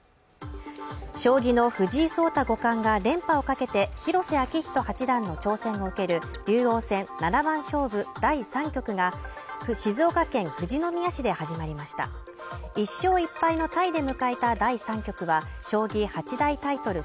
将棋の藤井聡太五冠が連覇をかけて広瀬章人八段の挑戦を受ける竜王戦７番勝負第３局が静岡県富士宮市で始まりました１勝１敗のタイで迎えた第３局は将棋八大タイトル